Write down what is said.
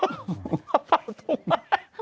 เป้าตุง